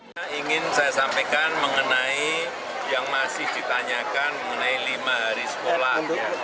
saya ingin saya sampaikan mengenai yang masih ditanyakan mengenai lima hari sekolah